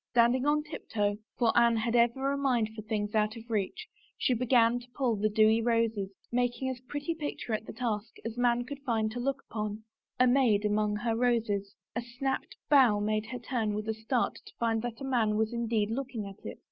Standing on tiptoe — for Anne had ever a mind for things out of reach — she began to pull the dewy roses, making as pretty picture at the task, as man could find to look upon — a maid among her roses. A snapped bough made her turn with a start to find that a man was indeed looking at it.